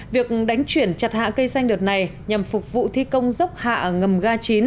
việc đánh chuyển chặt hạ cây xanh đợt này nhằm phục vụ thi công dốc hạ ngầm ga chín